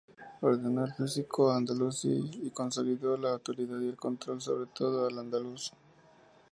Ordenó el fisco andalusí y consolidó la autoridad y el control sobre todo Al-Andalus.